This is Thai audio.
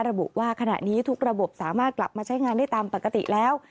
ระบุว่าขณะนี้ทุกระบบสามารถกลับมาใช้งานได้ตามปกติแล้ว